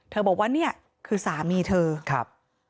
บอกว่าเนี่ยคือสามีเธอครับ